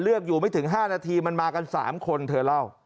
เลือกอยู่ไม่ถึงห้านาทีมันมากันสามคนเธอเล่า